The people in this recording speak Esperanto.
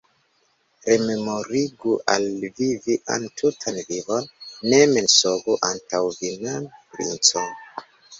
Rememorigu al vi vian tutan vivon, ne mensogu antaŭ vi mem, princo!